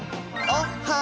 おっは！